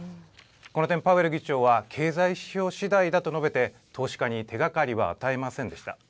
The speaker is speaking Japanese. この点、パウエル議長は経済指標しだいだと述べて、投資家に手がかりは与えませんでした。